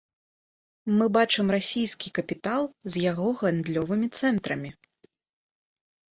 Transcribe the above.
Мы бачым расійскі капітал з яго гандлёвымі цэнтрамі.